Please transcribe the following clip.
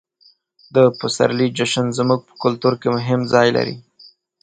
د پسرلي جشن زموږ په کلتور کې مهم ځای لري.